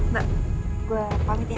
nak gue pamit ya